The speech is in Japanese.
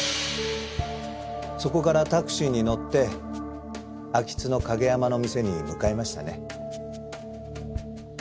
そこからタクシーに乗って秋津の景山の店に向かいましたね？